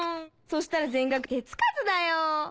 そしたら全額手付かずだよ。